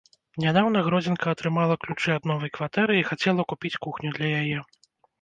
Нядаўна гродзенка атрымала ключы ад новай кватэры і хацела купіць кухню для яе.